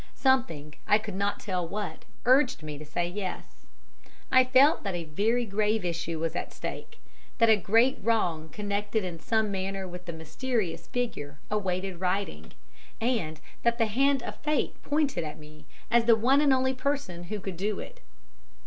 Something, I could not tell what, urged me to say yes. I felt that a very grave issue was at stake that a great wrong connected in some manner with the mysterious figure awaited righting, and that the hand of Fate pointed at me as the one and only person who could do it.